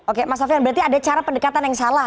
oke mas sofian berarti ada cara pendekatan yang salah